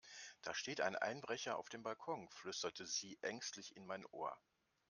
Da steht ein Einbrecher auf dem Balkon, flüsterte sie ängstlich in mein Ohr.